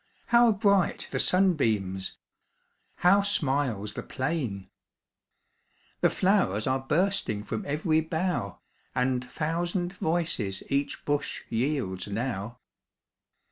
How bright the sunbeams! How smiles the plain! The flow'rs are bursting From ev'ry bough, And thousand voices Each bush yields now.